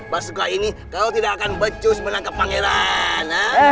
masuklah ini kau tidak akan becus menangkap pangeran